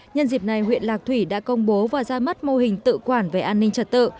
nhân dịp này huyện lạc thủy đã công bố và ra mắt mô hình tự quản về an ninh trật tự